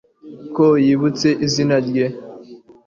ko yibutse izina rye